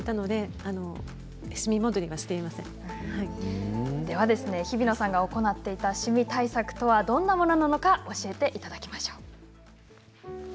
では日比野さんが行っていたシミ対策どんなものなのか教えていただきましょう。